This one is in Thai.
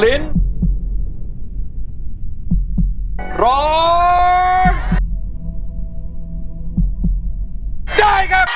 ลิ้นร้องได้ครับ